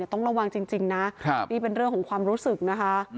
ต้องระวังจริงนะนี่เป็นเรื่องของความรู้สึกนะคะ